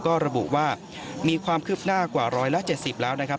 ก็ระบุว่ามีความคืบหน้ากว่า๑๗๐แล้วนะครับ